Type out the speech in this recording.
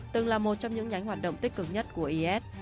từng là một trong những nhánh hoạt động tích cực nhất của is